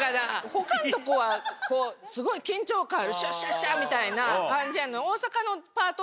他のとこはすごい緊張感あるシャッシャッシャッみたいな感じやのに。